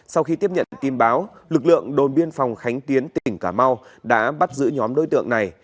sau khi tiếp nhận tin báo lực lượng đồn biên phòng khánh tiến tỉnh cà mau đã bắt giữ nhóm đối tượng này